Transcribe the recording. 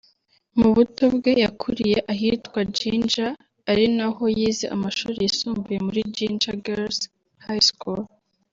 Mu buto bwe yakuriye ahitwa Jinja ari naho yize amashuri yisumbuye muri Jinja girls high School